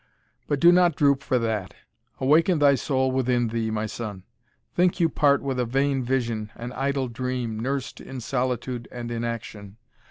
But do not droop for that awaken thy soul within thee, my son. Think you part with a vain vision, an idle dream, nursed in solitude and inaction.